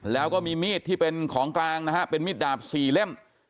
แล้วก็มีมีดที่เป็นของกลางนะฮะเป็นมีดดาบ๔เล่ม